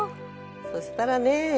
そしたらね